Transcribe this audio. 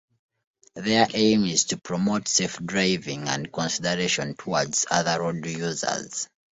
Their aim is to promote safe driving and consideration towards other road users.